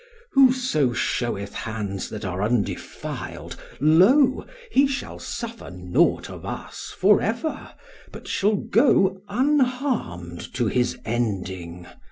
"Whoso showeth hands that are undefiled, lo, he shall suffer nought of us for ever, but shall go unharmed to his ending.